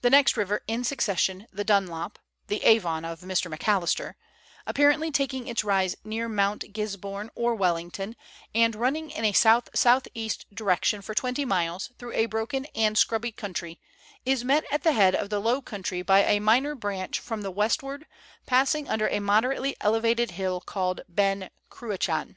The next river in succession, the Dunlop (the Avon of Mr, Macalister), apparently taking its rise near Mount Gisborne or Wellington, and running in a south south east direction for tAventy miles, through a broken and scrubby country, is met at the head of the low country by a minor branch from the westward, passing under a moderately elevated hill called Ben Cruachan.